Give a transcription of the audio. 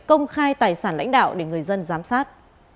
công khai tài sản lãnh đạo để người dân giám sát